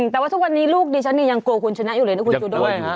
แต่ว่าทุกวันนี้ลูกดิฉันยังกลัวคุณชนะอยู่เลยนะคุณจูด้ง